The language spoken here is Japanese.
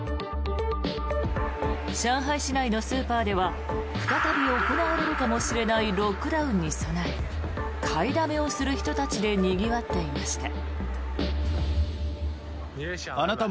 上海市内のスーパーでは再び行われるかもしれないロックダウンに備え買いだめをする人たちでにぎわっていました。